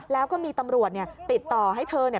แล้วก็มีตำรวจเนี่ยติดต่อให้เธอเนี่ย